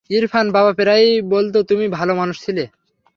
ইরফান, বাবা প্রায়ই বলতো তুমি ভালো মানুষ ছিলে।